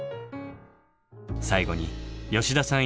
最後に吉田さん